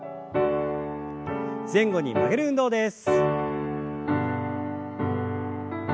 前後に曲げる運動です。